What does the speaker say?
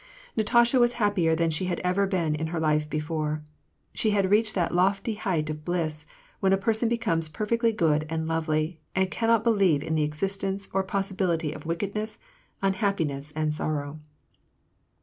Natasha was hapi>ier than she had ever been in her life before : she had reached that lofty height of bliss, when a person becomes perfectly good and lovely, and cannot believe in the existence or the possibility of wicked ness, unhappiness, and sorrow.